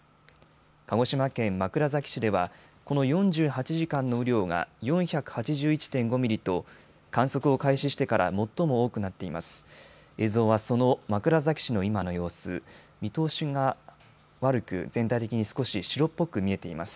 鹿児島県枕崎市では、この４８時間の雨量が４８１．５ミリと観測を開始してから最も多くなっています。